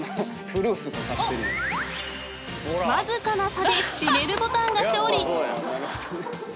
［わずかな差で閉めるボタンが勝利］